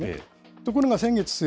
ところが先月末、